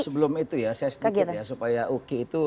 sebelum itu ya saya sedikit ya supaya uki itu